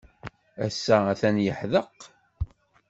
Ass-a, atan yeḥdeq.